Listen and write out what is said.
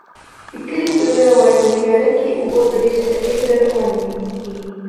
د کلي په لویه ویاله کې اوبه په ډېرې چټکۍ سره روانې دي.